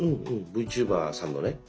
ＶＴｕｂｅｒさんのね。